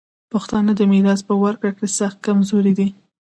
پښتانه د میراث په ورکړه کي سخت کمزوري دي.